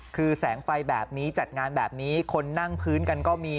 คือแสงไฟแบบนี้จัดงานแบบนี้คนนั่งพื้นกันก็มี